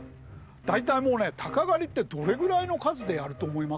大体もうねタカ狩りってどれぐらいの数でやると思います？